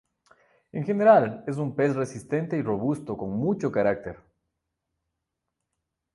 En general, es un pez resistente y robusto con mucho carácter.